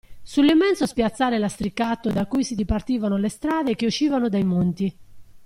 Sull'immenso spiazzale lastricato da cui si dipartivano le strade che uscivano dai Monti.